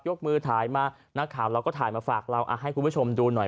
กมือถ่ายมานักข่าวเราก็ถ่ายมาฝากเราให้คุณผู้ชมดูหน่อย